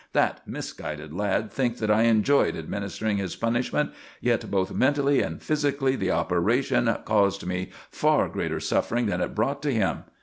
"That misguided lad thinks that I enjoyed administering his punishment, yet both mentally and physically the operation caused me far greater suffering than it brought to him.